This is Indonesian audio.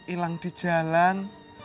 ilang di jalan